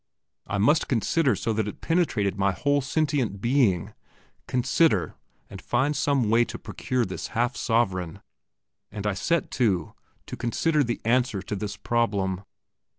I must consider so that it penetrated my whole sentient being; consider and find some way to procure this half sovereign. And I set to, to consider the answer to this problem.